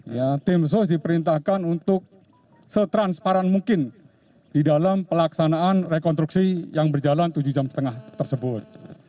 ya tim sos diperintahkan untuk setransparan mungkin di dalam pelaksanaan rekonstruksi yang berjalan tujuh jam setengah tersebut